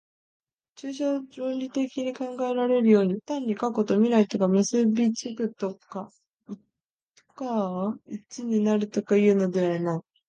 抽象論理的に考えられるように、単に過去と未来とが結び附くとか一になるとかいうのではない。